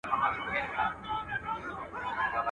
o د توري ټپ ښه کېږي، د بدي خبري ټپ نه ښه کېږي.